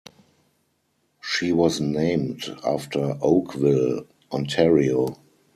She was named after Oakville, Ontario.